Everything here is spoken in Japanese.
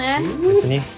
別に。